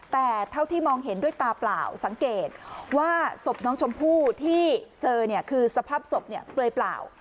แต่เท่าที่มองเห็นด้วยตาเปล่าสังเกตว่าศพน้องชมพู่ที่เจอเนี่ยคือสภาพศพเนี่ยเปลือยเปล่า